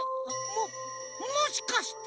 ももしかして。